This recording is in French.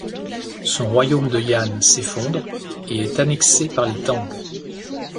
Son royaume de Yan s'effondre et est annexé par les Tang.